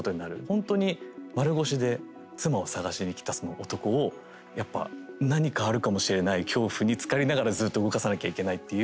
ほんとに丸腰で妻を探しに来たその男をやっぱ何かあるかもしれない恐怖につかりながらずっと動かさなきゃいけないっていう。